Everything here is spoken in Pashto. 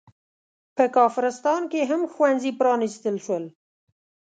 په کافرستان کې هم ښوونځي پرانستل شول.